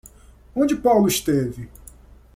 Onde Paulo esteve?